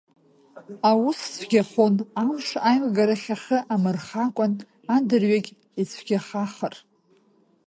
Аус цәгахон, амш аилгарахь ахы амырхакәан, адырҩегь ицәгьахахыр.